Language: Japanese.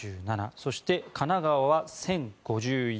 そして、神奈川は１０５１